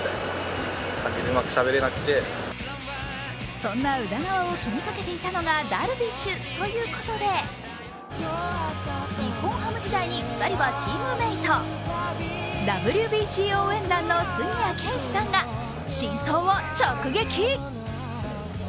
そんな宇田川を気にかけていたのがダルビッシュということで、日本ハム時代に２人はチームメートＷＢＣ応援団の杉谷拳士さんが真相を直撃。